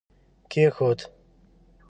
کښېښود